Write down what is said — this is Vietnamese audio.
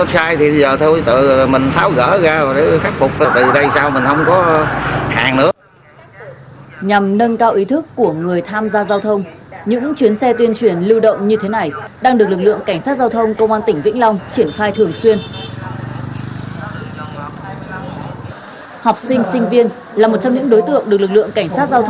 là một trong những đối tượng được lực lượng cảnh sát giao thông